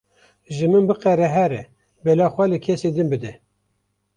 Ji min biqere here bela xwe li kesên din bide.